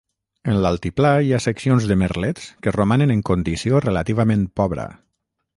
En l'altiplà, hi ha seccions de merlets que romanen en condició relativament pobra.